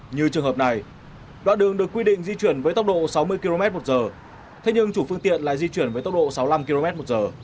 như trường hợp này đoạn đường được quy định di chuyển với tốc độ sáu mươi kmh thế nhưng chủ phương tiện lại di chuyển với tốc độ sáu mươi năm kmh